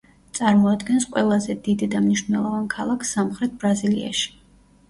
წარმოადგენს ყველაზე დიდ და მნიშვნელოვან ქალაქს სამხრეთ ბრაზილიაში.